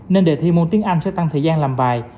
nên đề thi môn tiếng anh sẽ tăng thời gian làm bài